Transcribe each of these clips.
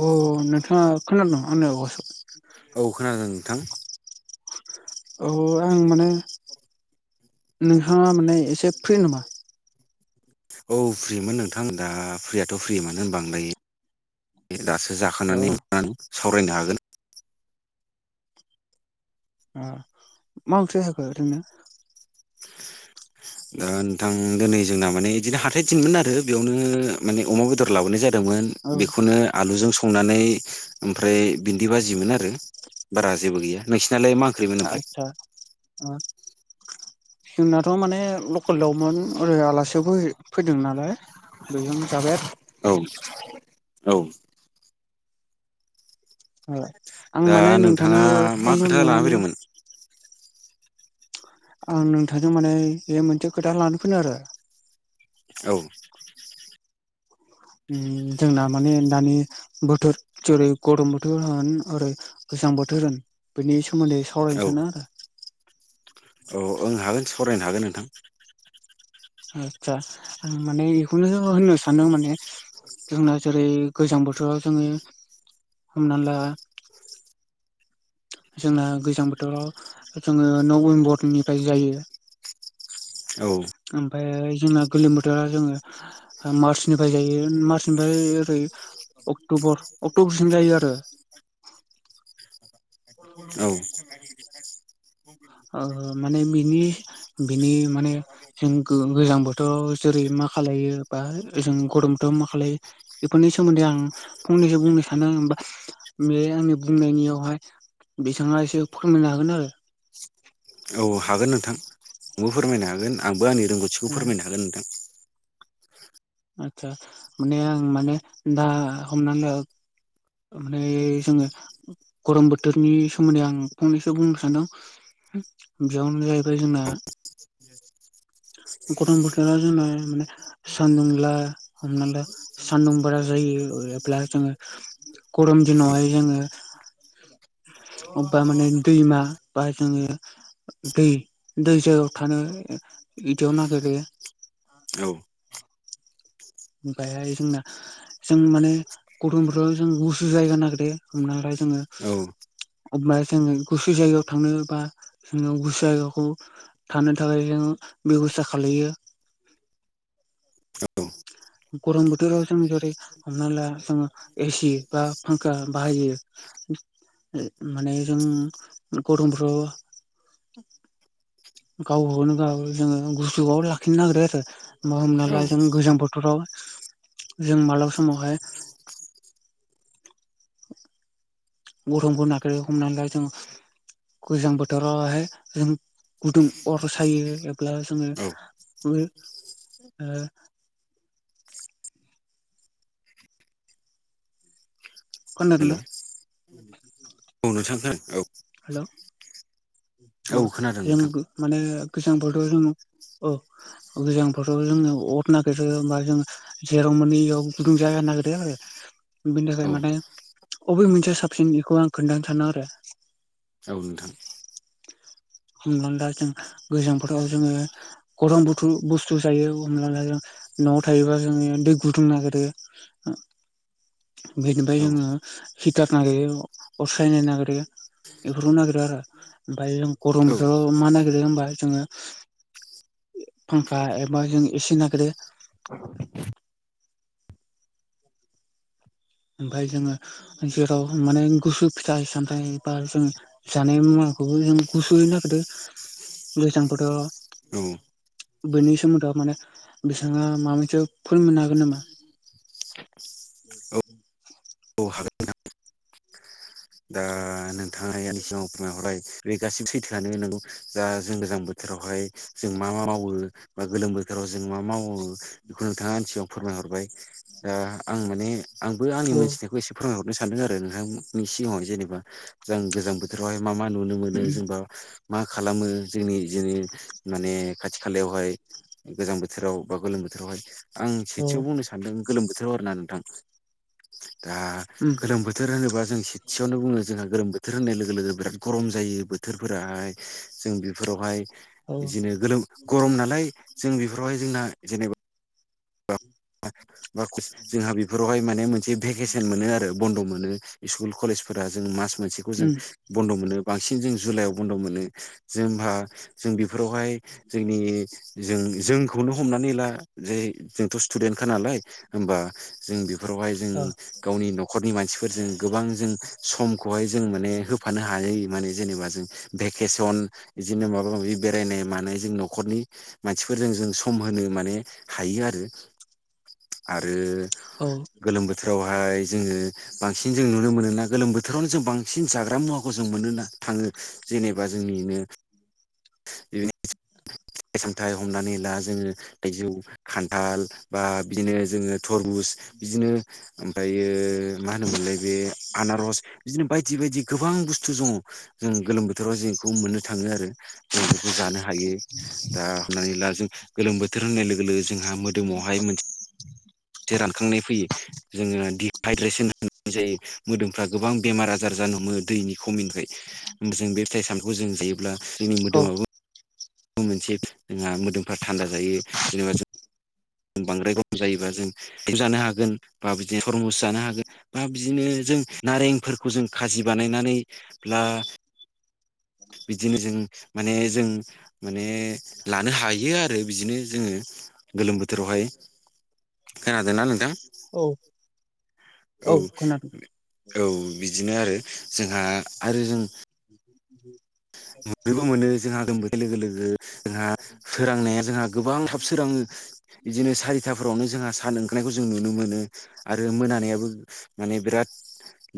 अ नोंथाङा खोनादों आंना अस' औ खोनादों नोंथां। औ आं माने नोंहा माने एसे फ्रि नामा? औ फ्रिमोन नोंथां दा फ्रियाथ' फ्रिमोन होनबा आं दायो दासो अ जाखानानै गोबां सावरायनो हागोन। ओ मा ओंख्रि हाखो ओरैनो। दा नोंथां दिनै जोंना माने इदिनो हाथाय दिनमोन आरो बेयावनो माने अमा बेदर लाबोनाय जा जादोंमोन औ बेखौनो आलुजों संनानै ओमफ्राय बिन्दि बाजिमोन आरो। बारा जेबो गैया नोंसिनालाय मा ओंख्रिमोन ओमफ्राय? आदसा अ [inaudible] जोंनाथ' माने लकेल दावमोन ओरै आलासियाबो फैदों नालाय। बेजों जाबाय आरो। औ औ। ओ आं दा माने नोंथाङा नोंथांनो मा फन खोथा लाना होरनायानो फैदोंमोन आं नोंथांजों माने बे मोनसे खोथा लानो फैनो आरो। औ। ओम जोंना माने दानि बोथोर जेरै गरम बोथोर होन ओरै गोस गोजां बोथोर होन बेनि सोमोन्दै औ सावरायनो सानो आरो। फरायनो हागोन नोंथां। आतसा आं माने बेखौनो होननो सानो माने जोंना जेरै गोजां बोथोराव जोङो हमना ला जोंना गोजां बोथोराव जोङो नभेम्बरनिफ्राय जायो। औ। ओमफाय जोंना गोलोम बोथोरा जोङो मार्चनिफ्राय जायो मार्चनिफ्राय ओरै अक्ट'बर अक्ट'बरसिम जायो आरो। [inaudible] औ ओ माने बिनि बिनि माने जों गो गोजां बोथोराव जेरै मा मा खालायो बा ओजों गरमथ' मा खालायो बेफोरनि सोमोन्दै आं फंनैसो बुंनो सानो आं। बा बे आंनि बुंनायनियावहाय बिथाङा एसे फोरमायनो हागोन आरो। औ हागोन नोंथां आंबो फोरमायनो हागोन आंबो आंनि रोंगौथिखौ फोरमायनो हागोन नोंथां। आतसा माने आं माने दा हमना ला माने जोङो गरम बोथोरनि सोमोन्दै आं फंनैसो बुंनो सानदों। गिबियावनो जाहैबाय जोंना [unintelligible] गथम बोथोरा जोंना माने सानदुंला हमना ला सान्दुं बारा जायो। प्लास जोङो गरम दिनावहाय जोङो अबेबा माने दैमा बा जोङो दै दै जायगायाव थानो बिदियाव नागिरो औ ओफायहाय जोंना जों माने गथम बोथोराव जों गुसु जायगा नागिरो हमनालाय जोङो औ अबा जोङो गुसु जायगायाव थांनो बा जोङो गुसु जायगाखौ थानो थाखाय जों [unintelligible] बेब'स्था खालायो [inaudible] गरम बोथोराव जों जेरै हमना ला जोङो एसि बा फांखा बाहायो माने जों गरमफ्र्राव गावखौनो गाव जोङो गुसुआव लाखिनो नागिरो आरो बा हमना औ ला जों गोजां बो थोराव जों मालाबा समावहाय [inaudible] गरमखौ नागारो हमनानै लाा जों गोजां बोथोरावहाय जों गुदुं अर सायो एब्ला जोङो औ ओ हेलौ खोनादोंना? औ नोंथां औ हेल' ओ औ खोनादों नोंथां जों माने गोजांबोथोराव जों औ गोजांबोथोराव जोङो अर नागिरो बा जों जेराव मोनो बेयाव गुदुं जाया नागिरो आरो बिनि औ थाखाय माने अबे मोनसे साबसिन बेखौ आं खोन्थानो सानो आरो औ नोंथां हमना ला जों गोजां बोथोराव जोङो गरम बुथु बुस्थु जायो जों न'आव थायोबा जोङो दै गुदुं नागिरो बेनिफ्राय औ जोङो हिथार नागिरो असायनो नागिरो बेफोरखौ नागिरो आरो ओमफ्राय जों औ गरमफ्राव मा नागिरो होमबा जोङो फांखा एबा जों ए सि नागिरो ओमफाय जोङो जेराव माने गुसु फिथाइ सामथायबा जों जानाय मुवा खौबो जों गुसुयैनो नागिरो बेनि सोमोन्दोआ माने बिथाङा माबा मोनसे फोरोंनो हागोन नामा? [inaudible] हागोन दा नोंथांङा आंनि सिगाङाव फोरमाय हरनाय बे गासिबो सैथोआानो नांगौ दा जों गोजां बोथोर आवहाय जों मा मा मावो बा गोलोम बोथोराव जों मा मावो बेखौ नोंथाङा आंनि सिगांआव फोरमायहर बाय ओ आं माने आंबो आंनि औ मोनथिनायखौ एसे फोरमायहरनो सानदों आरो नोंथांनि सिगाङावह जेनेबा जों गोजां बोथोरावहाय मा मा नुनो मोनो जेनेबा मा खालामो जोंनि जेरै माने खाथि खालायावहाय गोजां बोथोराव बा गोलोम बोथोरावहाय आं औ सेथियाव बुंनो सानदों गोलोम बोथोराव आरो ना नोंथां दा उम गोलोम बोथोर होनोबा जों थियावनो बुङो जोंहा गोरोम बोथोर होननाय लोगो लोगो बिराद गरम जायो बोथोरफोराहाय जों बेफोरावहाय औ बिदिनो गोलोम गरम नालाय जों बेफोरावहाय जोंना जेनेबा बा जोंहा बेफोरावहाय माने मोनसे भेकेसन मोनो आरो बन्द' मोनो नो स्कुल कलेज फोरा जों मास मोनसेखौ जों उम बन्द' मोनो बांसिन जों जुलाइआव बन्द' मोनो जोंहा जों बेफोरावहाय जोंनि जों जोंखौनो हमनानै ला जे जोंथ' स्टुदेन्टखा नालाय होमबा जों बे फोरावहाय जों ओ गावनि न'खरनि मानसिफोरजों गोबां जों समखौहाय जों माने होफानो हायो माने जेनेबा जों भेकेसन बिदिनो माबा माबि बेरायनाय मानाय जों न'खरनि मानसिफोरजों जों सम होनो माने हायो आरो आरो औ गोलोम बोथोरावहाय हाय जोङो बांसिन जों नुनो मोनोना गोलोम बोथोरावनो जों बांसिन जाग्रा मुवाखौ जों मोननो थाङो जेनेबा जोंनिनो बि [inaudible] फिथाइ सामथायाइ हमनानै ला जोङो थाइजौ खान्थाल बा बिदिनो जोङो थरबुस बिदिनो ओमफ्रायो मा होनोमोनलाय बे आनारस बिदिनो बायदि बायदि गोबां बुस्थु दङ जों गोलोम बोथोराव जों बेखौ मोननो थाङो आरो जों बेफोरखौ जानो हायो दा हमनानै ला जों गोलोम बोथोर होननाय लोगो लोगो जोंहा मोदोमाव [unintelligible] [inaudible] [unintelligible] [inaudible] से रानखांनाय फैयो जोङो दिहाइद्रेसन होनाय जायो मोदोमफ्रा गोबां बेमार आजार जा नो हमो दैनि खमिनिफ्राय जों बे फिथाइ सामखौ जों जायोब्ला जोंनि औ मोदोमाबो मोनसे जोंहा मोदोमफ्रा थान्दा जायो जेनेबा जों बांद्राय गम जायोबा जोंम जानो हागोन बा बिदिनो खरमस जानो हागोन बा बिदिनो जों नारेंफोरखौ जों खाजि बानायनानै ला- बिदिनो जों माने जों माने लानो हायो आरो बिदिनो जोङो गोलोम बोथोरावहाय खोनादोंना नोंथां औ- औ- औ- बिदिनो आरो जोंहा आरो जों मोनैबो मोनो जोंहाागोम बोर- लोगो लोगो जोंहा सोरांनाया जोंहा गोबां थाब सोरो बिदिनो सारिथावनो जोंहा सान ओंखारनायखौ जों नुनो मोनो आरो मोनानायाबो माने बिराद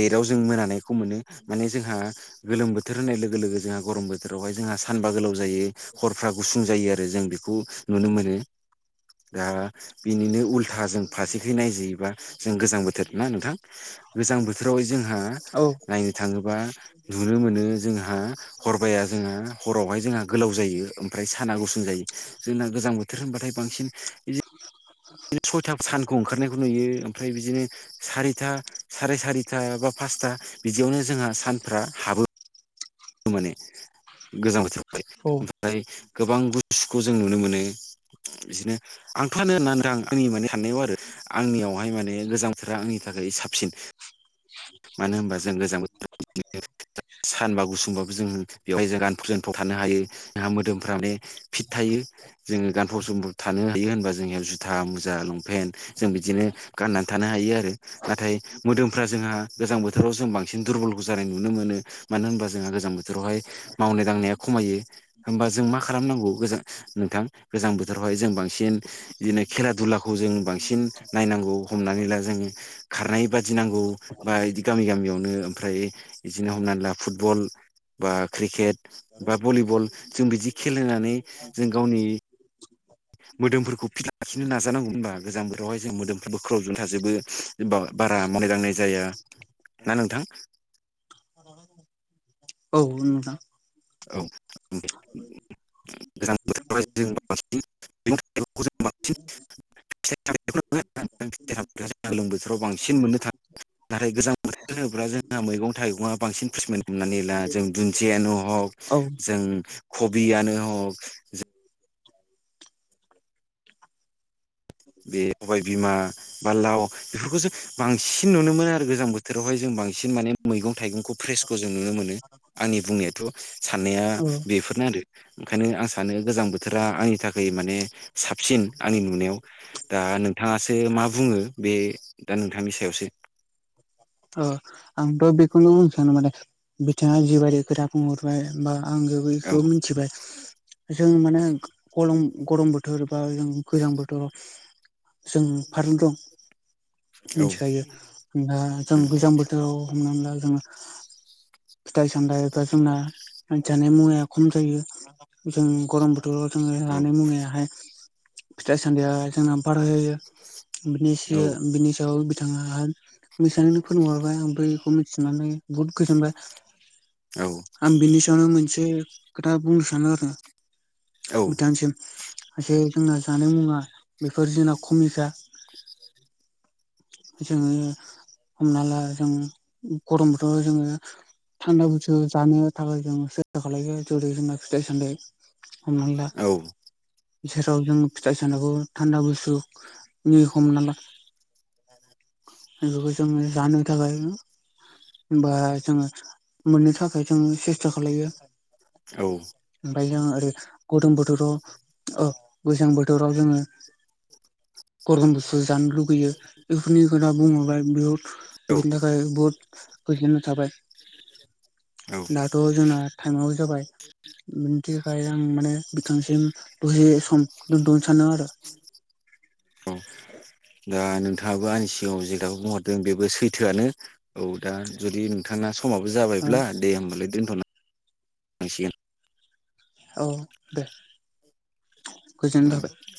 लेटाव जों मोनानायखौ मोनो माने जोंहा गोलोम बोथोर होनाय लोगो लोगो लोगो जोंहा गरम बोथोरावहाय जोंहा सानबा गोलाव जायो हरफ्रा गुसुं जायो आरो जों बेखौ नुनो मोनो बे- दा- बिनिनो उल्था जों फारसेख नायजबा जों गोजां बोथोर ना नोंथां गोजां बोथोराव जोंहा औ नायनो थाङोबा नुनो मोनो जोंहा जोंहा हरबाया जोंहा हरावहाय जोंहा गोलाव जायो ओमफ्राय साना गुसुं जायो जोंना गोजां बोथोर बोथोर होनबाथाय बांसिन बिदि [unintelligible] बिनो सयथा सानखौ ओंखारनायखौ नुयो ओमफ्राय बिदिनो सारिथा साराय सारिथा बा- पासथा बिदियावनो जोंहा सानफ्रा हाबो माने गोजां बोथोरबाय औ ओमफ्राय गोबां गुसुखौ जों नुनो मोनो बिदिनो आं फानो होननानै आं आंनि माने साननायाव आरो आंनियावहाय माने गोजां बोथोराआंनि थाखाय साबसिन मानो होनबा जों गोजां बोथोरावनो सानबा गुसुंबाबो जों बेवहाय जों गानफोरजानफ्राव थानो हायो जोंहा मोदोमफ्रा माने फिट थायो जोंङो गानफब जोमफब थानो हायो होनबा जों जुथा मुजा लंपेन् जों बिदिनो थानो हायो आरो नाथाय मोदोमफ्रा जोंहा गोजां बोथोराव जों बांसिन दुरबल जानाय नुनो मोनो मानो होनबा जोंहा गोजां बोथोरावहाय मावनाय दांनाय खम खायो होमबा जों मा खालामनांगौ गो- नोंथां गोजां बोथोरावहाय जों बांसिन खेला दुलाखौ जों बांसिन नायनांगौ हमनानै ला जोङो खारनाय बादिनांगौ बा इदि गामि गामियावनो ओमफ्राय बिदिनो हमना ला फुटबल बा क्रिकेट बा भलिबल जों बिदि खेलेनानै जों गावनि मोदोमफोरखौ फिथ लाफिननो नाजानांगौ होनबा गोजां बोरावहाय जों मोदोमफोर बोख्राव ज थाजोबो बारा मावनाय दांनाय जाया ना- नोंथां औ- नुदा- [unintelligible] औ गोजां बोथोर [inaudible] बांन गोगलोम बोथोराव बांसिन मोननो थाङ [inaudible] नाथाय गोजां बोथोर होब्ला जोंहा मैगं थाइगं बांसिन फिसमेट हनानै ला जों दुन्दियानो हग औ जों कबियानो हक बे सबाय बिमा बा लाव बेफोरखौ जों बांसिन नुनो मोनो आरो गोजां बोथोरावहाय जों बांसिन माने मैगं थाइगंखौ फ्रेसखौ जों नुनो मोनो आंनि बुंनायाथ' साननाया औ बेफोर नो आरो ओंखायनो आं सानो गोजां बोथोरा आंनि थाखाय माने साबसिन आंनि नुनायाव दा नोंथाङासो मा बुङो बे दा नोंथांनि सायावसो ओ आंथ' बेखौनो बुंनो सानो माने बिथाङा जिबायादि खोथा बुंहरबाय बा आंङो औ बैखौ मिथिबाय जों माने कलम गरम बोथोर बा जों गोजां बोथोर जों फारनो दं औ मिथिखायो दा जों गोजां बोथोराव हमनानैला जोङो फिथाइ सामथाइबा जोंना मान जानाय मुवाया खम जायो जों गरम बोथोराव जोङो जानाय मुङाहाय फिथाइ सान्दिया जों बारा जायो। बिनि औ इसे बिनिसायाव बिथाङा मिसानिनो फोरोंहर? आं बैखौ मिथिनानै बुहुद गोजोनबाय आं बिनि सायावनो मोनसे खोथा बुंनोसानो आरो औ बिथांनिसिम जे जों जानाय मुङा बेफोर जोंना खमिखा जोङो हमना ला जों गरमबोथोराव जोङो थान्दा बैसु जानो थाखाय जों सेस्था खालायो जेरै जोंना फिथाइ सामथाइ हमना ला औ जेराव जों फिथाइ सो थान्दा बुसथु नि हमनाला बेफोरखौ जों जानो थाखाय होमबा जोङो मोननो थाखाय जोङो सेस्था खालायो। औ ओमफ्राय जों ओरै गुदुं बोथोराव अ गोजां बोथोराव जोङो गरगम बुसु जानो लुुबैयो बेफोरनि खोथा बुङोब्ला बेयाव बिनि थाखाय बुहुत गोजोन्नाय थाबाय औ दाथ' जोंना थासेयावबो जाबाय उम बिनिथाखाय आं माने बिथांसिम दसे सम दोनथनो सानो आरो। औ दा नोंथां हाबो आंनि सिगाङाव जे दाबो बुंहरदों बेबो सैथोआनो औ दा जुदि नोंथां समाबो जाबायब्ला ओ दे होमबालाय दोनथ'नो लांसिगोन। औ दे गोजोन थाबाय।